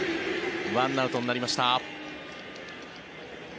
１アウトになりました。